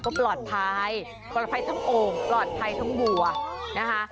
ก็ปลอดภัยปลอดภัยทั้งโอ่งปลอดภัยทั้งบัวนะคะ